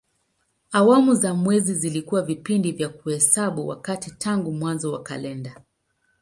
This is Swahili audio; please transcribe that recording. Awamu za mwezi zilikuwa vipindi vya kuhesabu wakati tangu mwanzo wa kalenda.